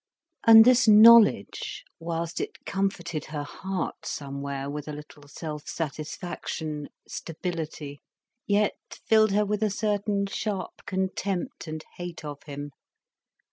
And this knowledge, whilst it comforted her heart somewhere with a little self satisfaction, stability, yet filled her with a certain sharp contempt and hate of him.